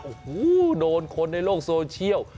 โอ้โหโดนคนในโลกโซเชียล